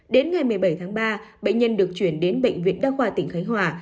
đến ngày một mươi bảy tháng ba bệnh nhân được chuyển đến bệnh viện đa khoa tỉnh khánh hòa